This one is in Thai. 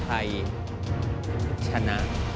ใช้ชื่อที่ตรงกัน